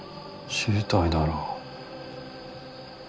知りたいだろ？